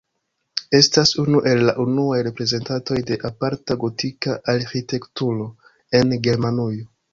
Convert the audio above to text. Estas unu el la unuaj reprezentantoj de aparta gotika arĥitekturo en Germanujo.